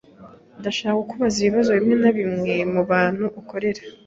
Ndashaka kukubaza ibibazo bimwe na bimwe mubantu ukorera.